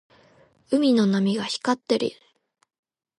海の波が光っている。